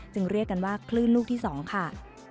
เรียกกันว่าคลื่นลูกที่๒ค่ะ